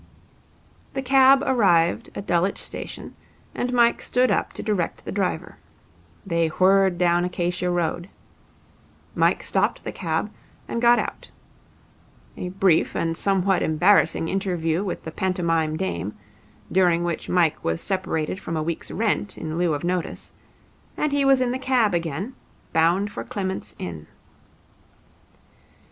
"' The cab arrived at Dulwich station, and Mike stood up to direct the driver. They whirred down Acacia Road. Mike stopped the cab and got out. A brief and somewhat embarrassing interview with the pantomime dame, during which Mike was separated from a week's rent in lieu of notice, and he was in the cab again, bound for Clement's Inn.